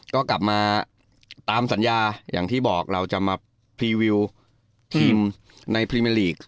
ก็กลับมาตามสัญญาอย่างที่บอกเราจะมาพรีวิวทีมในพรีเมอร์ลีก